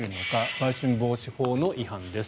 売春防止法の違反です。